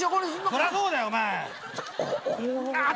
それそうだよお前！